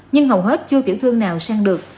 nhưng hầu hết chưa tiểu thương nào sang được